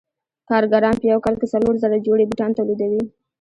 کارګران په یو کال کې څلور زره جوړې بوټان تولیدوي